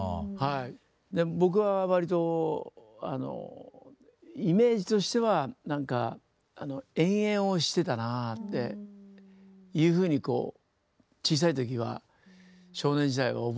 で僕は割とあのイメージとしては何かあの遠泳をしてたなあっていうふうにこう小さい時は少年時代は覚えてますよね。